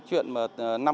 chuyện mà tự cách ly tại nhà